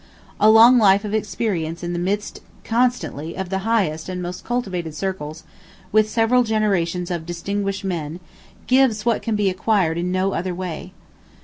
A long life of experience in the midst constantly of the highest and most cultivated circles, and with several generations of distinguished men gives what can be acquired in no other way.